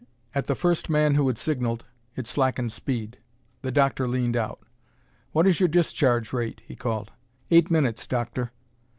At the first man who had signalled, it slackened speed. The doctor leaned out. "What is your discharge rate?" he called. "Eight minutes. Doctor."